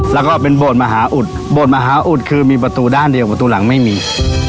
แล้วก็เป็นโบสถ์มหาอุดโบสถมหาอุดคือมีประตูด้านเดียวประตูหลังไม่มี